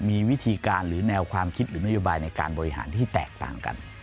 มีวิธีการหรือแนวความคิดหรือนโยบายในการบริหารที่แตกต่างกัน